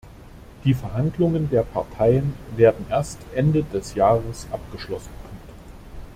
Die Verhandlungen der Parteien werden erst Ende des Jahres abgeschlossen.